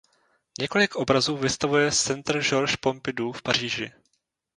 Několik obrazů vystavuje Centre Georges Pompidou v Paříži.